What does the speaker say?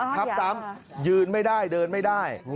ทับซ้ำยืนไม่ได้เดินไม่ได้